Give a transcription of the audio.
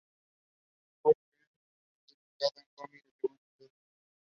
The nickname was given to him by Stade Tunisien founder Hamadi Ben Salem.